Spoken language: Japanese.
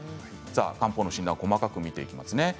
漢方の診断、細かく見ていきます。